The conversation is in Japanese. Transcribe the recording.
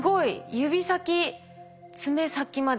指先爪先まで。